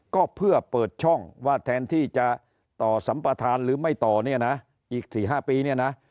ก็เพื่อเปิดช่องว่าแทนที่จะต่อสัมประธานหรือไม่ต่อเนี่ยนะอีก๔๕ปีเนี่ยนะ